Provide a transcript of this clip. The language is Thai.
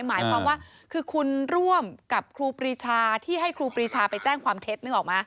หมายความว่าคือคุณร่วมกับครูปรีชาที่ให้ครูปรีชาไปแจ้งความเท็จนึกออกไหม